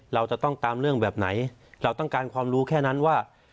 เราจะต้องตามเรื่องแบบไหนเราต้องการความรู้แค่นั้นว่า